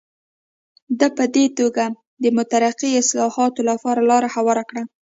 ده په دې توګه د مترقي اصلاحاتو لپاره لاره هواره کړه.